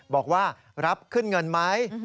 บอกว่ารับขึ้นเงินไหม